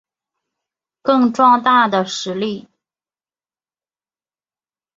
更壮大的实力